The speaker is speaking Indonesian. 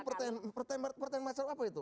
pertanyaan itu pertanyaan pertanyaan macam apa itu